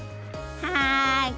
はい。